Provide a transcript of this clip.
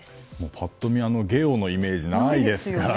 パッと見、ゲオのイメージがないですからね。